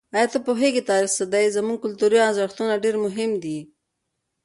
آیا ته پوهېږې چې تاریخ څه دی؟ زموږ کلتوري ارزښتونه ډېر مهم دي.